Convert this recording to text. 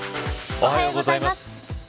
おはようございます。